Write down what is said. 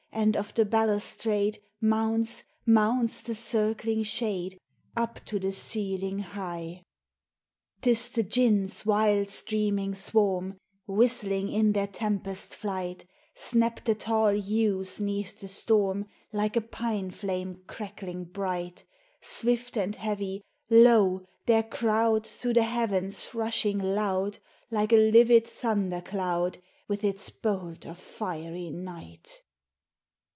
And of the balustrade Mounts, mounts the circling shade Up to the ceiling high ! 'T is the Djinns' wild streaming swarm Whistling in their tempest flight ; Snap the tall yews 'neath the storm, Like a pine flame crackling bright. Swift and heavy, lo, their crowd Through the heavens rushing loud, Like a livid thunder cloud With its bolt of fiery night